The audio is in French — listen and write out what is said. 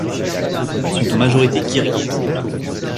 Les habitants sont en majorité Kirghizes.